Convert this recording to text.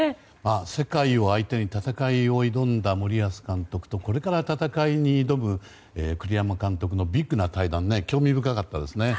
世界を相手に戦いを挑んだ森保監督とこれから戦いに挑む栗山監督のビッグな対談興味深かったですね。